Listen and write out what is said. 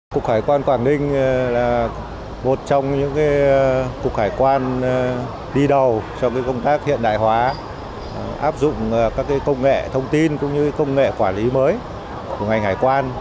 cục hải quan quảng ninh là một trong những cục hải quan đi đầu trong công tác hiện đại hóa áp dụng các công nghệ thông tin cũng như công nghệ quản lý mới của ngành hải quan